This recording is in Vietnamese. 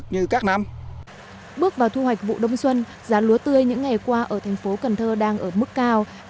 nhất là các dòng lúa chất lượng cao